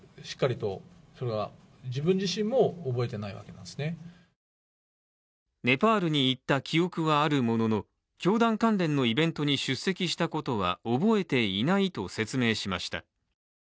ただ、ネパールに行った目的についてはネパールに行った記憶はあるものの教団関連のイベントに出席したことは覚えていないと説明しました。